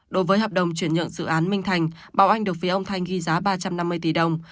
đối với hợp đồng chuyển nhượng dự án minh thành bảo anh được phía ông thanh ghi giá ba trăm năm mươi tỷ đồng